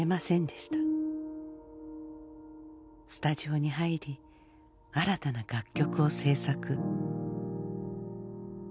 スタジオに入り新たな楽曲を制作。